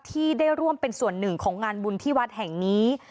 ที่ได้ร่วมเป็นส่วนหนึ่งของงานบุญที่วัดแห่งนี้